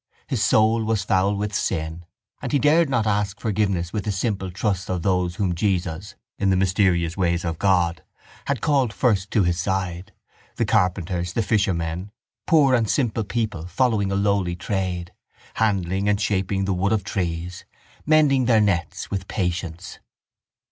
His soul was foul with sin and he dared not ask forgiveness with the simple trust of those whom Jesus, in the mysterious ways of God, had called first to His side, the carpenters, the fishermen, poor and simple people following a lowly trade, handling and shaping the wood of trees, mending their nets with patience.